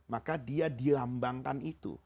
maka dia dilambangkan itu